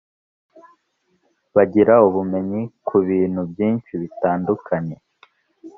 bagira ubumenyi ku bintu byinshi bitandukanye